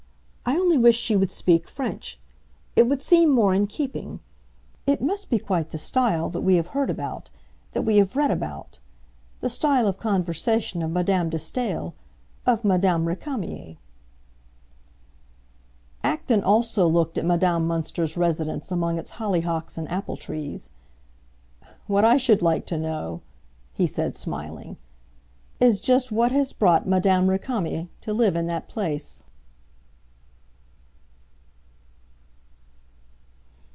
"I only wish she would speak French; it would seem more in keeping. It must be quite the style that we have heard about, that we have read about—the style of conversation of Madame de Staël, of Madame Récamier." Acton also looked at Madame Münster's residence among its hollyhocks and apple trees. "What I should like to know," he said, smiling, "is just what has brought Madame Récamier to live in that place!"